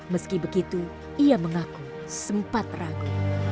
meski begitu ia mengaku sempat ragu